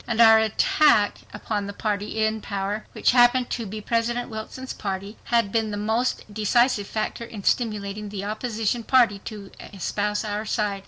And our attack upon the party in power, which happened to be President Wilson's party, had been the most decisive factor in stimulating the opposition party to espouse our side.